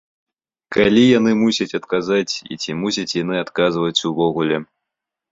Калі яны мусяць адказаць і ці мусяць яны адказваць увогуле?